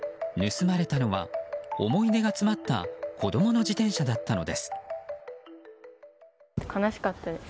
盗まれたのは、思い出が詰まった子供の自転車だったのです。